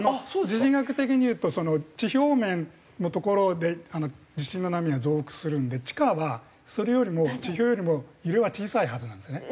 地震学的にいうと地表面の所で地震の波が増幅するんで地下はそれよりも地表よりも揺れは小さいはずなんですね。